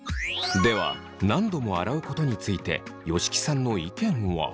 では何度も洗うことについて吉木さんの意見は。